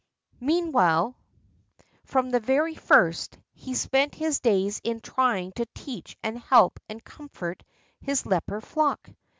Meanwhile, from the very first, he spent his days in trying to teach and help and comfort his leper flock.